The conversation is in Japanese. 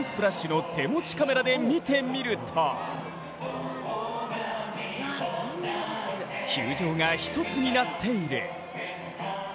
の手持ちカメラで見てみると球場が一つになっている。